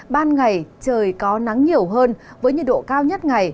ban ngày trời có nắng nhiều hơn với nhiệt độ cao nhất ngày